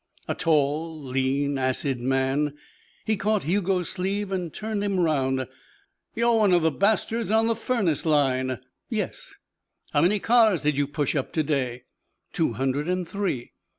A tall, lean, acid man. He caught Hugo's sleeve and turned him round. "You're one of the bastards on the furnace line." "Yes." "How many cars did you push up to day?" "Two hundred and three."